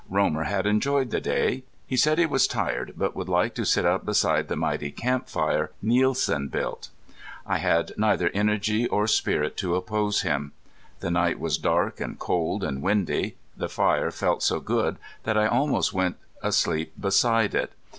Romer had enjoyed the day. He said he was tired, but would like to stay up beside the mighty camp fire Nielsen built. I had neither energy or spirit to oppose him. The night was dark and cold and windy; the fire felt so good that I almost went asleep beside it.